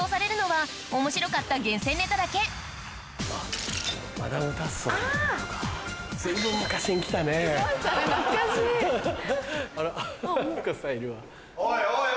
はい。